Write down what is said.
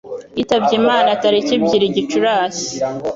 yitabye Imana tariki ibyiri Gicurasi